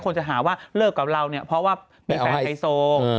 จะหาว่าเลิกกับเราเนี่ยเพราะว่าเป็นแฟนไฮโซ